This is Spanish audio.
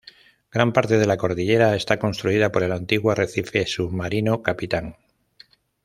Gran parte de la cordillera está construida por el antiguo arrecife submarino Capitán.